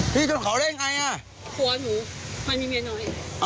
พี่ชนเขาได้ยังไงอ่ะ